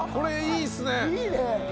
いいね！